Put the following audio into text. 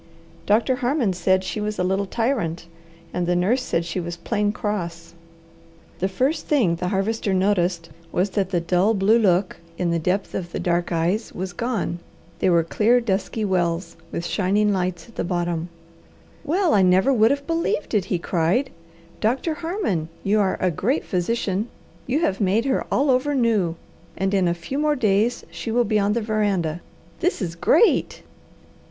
Doctor Harmon said she was a little tryant, and the nurse that she was plain cross. The first thing the Harvester noticed was that the dull blue look in the depth of the dark eyes was gone. They were clear, dusky wells, with shining lights at the bottom. "Well I never would have believed it!" he cried. "Doctor Harmon, you are a great physician! You have made her all over new, and in a few more days she will be on the veranda. This is great!"